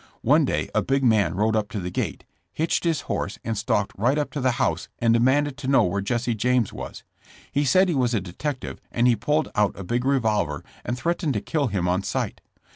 One day a big man rode up to the gate, hitched his horse and stalked right up to the house and demanded to know where Jesse James was. He said he was a detective and he pulled out a big revolver and threatened to kill him on sight.